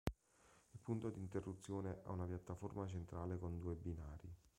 Il punto di interruzione ha una piattaforma centrale con due binari.